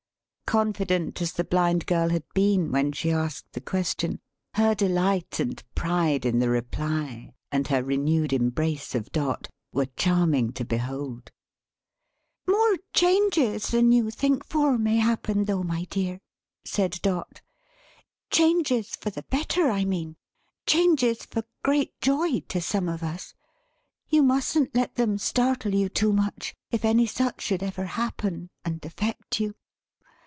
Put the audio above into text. Confident as the Blind Girl had been when she asked the question, her delight and pride in the reply, and her renewed embrace of Dot, were charming to behold. "More changes than you think for, may happen though, my dear," said Dot. "Changes for the better, I mean; changes for great joy to some of us. You mustn't let them startle you too much, if any such should ever happen, and affect you?